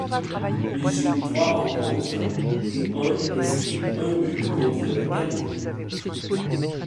Il joue trois rencontres, et un inscrit un but contre le Cameroun.